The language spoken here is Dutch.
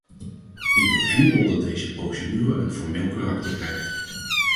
Ik wil enkel dat deze procedure een formeel karakter krijgt.